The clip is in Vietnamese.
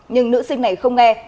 nhưng nữ sinh này không nghe